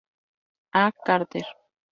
A. Carter.